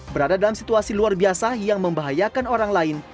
berada dalam situasi luar biasa yang membahayakan orang lain